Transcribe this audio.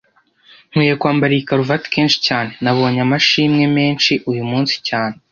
Nkwiye kwambara iyi karuvati kenshi cyane Nabonye amashimwe menshi uyumunsi cyane